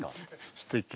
すてき。